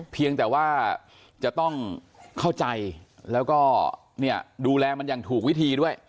เพียงแต่ว่าจะต้องเข้าใจแล้วก็ดูแลมันอย่างถูกวิธีด้วย